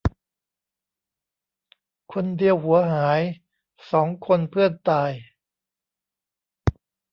คนเดียวหัวหาย สองคนเพื่อนตาย